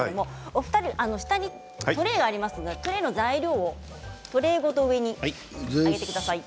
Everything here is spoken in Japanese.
お二人、下にトレーがあるので材料をトレーごと上に上げてください。